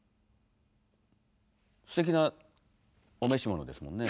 すてきなお召し物ですもんね。